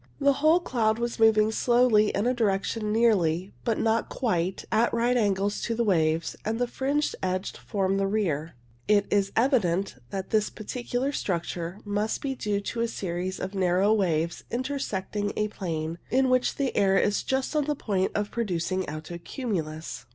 The whole cloud was moving slowly in a direction nearly, but not quite, at right angles to the waves, and the fringed edge formed the rear. It is evident that this peculiar structure must be due to a series of narrow waves intersecting a plane in which the air is just on the point of producing alto cumulus.